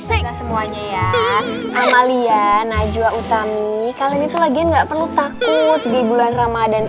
semuanya ya amalia najwa utami kalian itu lagi enggak perlu takut di bulan ramadhan